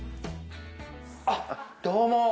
あっどうも。